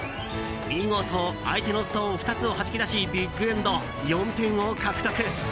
見事、相手のストーン２つをはじき出しビッグエンド４点を獲得。